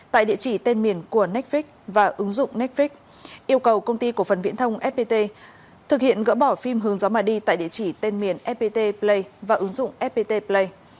tại địa chỉ tên miền của nec vích và ứng dụng necic yêu cầu công ty cổ phần viễn thông fpt thực hiện gỡ bỏ phim hướng gió mà đi tại địa chỉ tên miền fpt play và ứng dụng fpt play